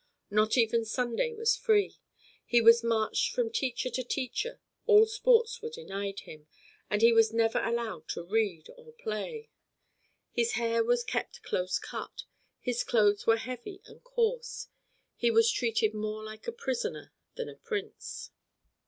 Not even Sunday was free. He was marched from teacher to teacher, all sports were denied him, and he was never allowed to read or play. His hair was kept close cut, his clothes were heavy and coarse, he was treated more like a prisoner than a prince.